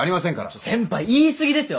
ちょ先輩言い過ぎですよ。